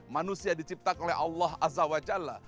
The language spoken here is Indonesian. manusia diciptakan oleh allah azza wa jalla